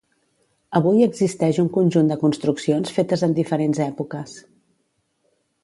Avui existeix un conjunt de construccions fetes en diferents èpoques.